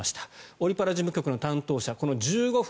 オリ・パラ事務局の担当者１５分